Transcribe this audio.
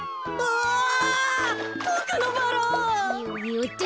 よっと。